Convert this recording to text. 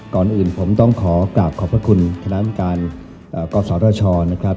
ก่อนอื่นผมต้องขอกราบขอบพระคุณคณะกรรมการกศธชนะครับ